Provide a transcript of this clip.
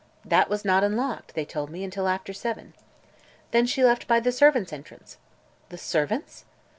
"That was not unlocked, they told me, until after seven o'clock." "Then she left by the servants' entrance." "The servants'!"